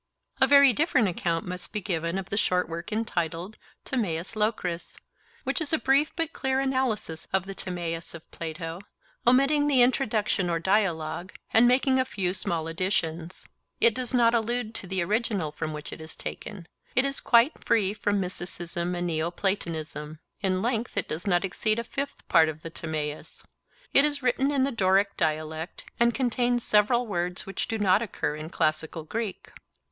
A very different account must be given of the short work entitled 'Timaeus Locrus,' which is a brief but clear analysis of the Timaeus of Plato, omitting the introduction or dialogue and making a few small additions. It does not allude to the original from which it is taken; it is quite free from mysticism and Neo Platonism. In length it does not exceed a fifth part of the Timaeus. It is written in the Doric dialect, and contains several words which do not occur in classical Greek.